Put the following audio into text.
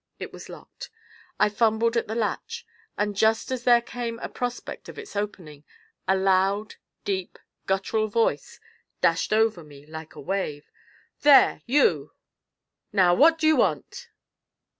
It was locked. I fumbled at the latch; and just as there came a prospect of its opening, a loud, deep, guttural voice dashed over me like a wave: "There you! now, wot you want?"